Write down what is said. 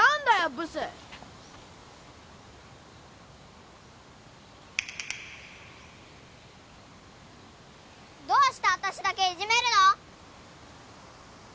ブスどうして私だけいじめるの！？